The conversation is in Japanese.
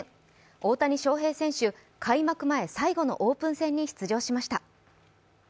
大谷翔平選手、開幕前最後のオープン戦に出場しました。